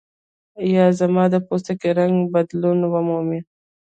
یا زما د پوستکي رنګ بدلون ومومي.